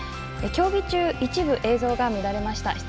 競技中、一部映像が乱れました。